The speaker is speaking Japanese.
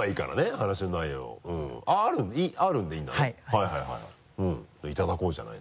はいはいはいいただこうじゃないの。